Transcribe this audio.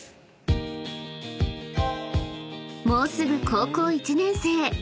［もうすぐ高校１年生。